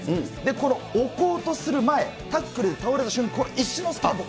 この置こうとする前、タックルで倒れた瞬間の、この一瞬の隙に。